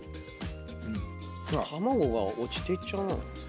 卵が落ちていっちゃうな。